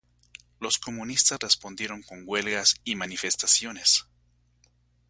Los comunistas respondieron con huelgas y manifestaciones.